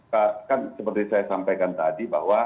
kalau kan seperti saya sampaikan tadi